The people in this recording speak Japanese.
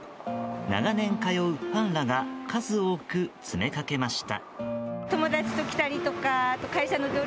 長年通うファンらが数多く詰めかけました。